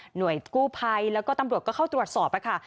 หน่วยกู้ภัยแล้วก็ตำรวจก็เข้าตรวจสอบค่ะ